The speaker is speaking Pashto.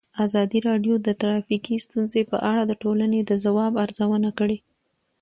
ازادي راډیو د ټرافیکي ستونزې په اړه د ټولنې د ځواب ارزونه کړې.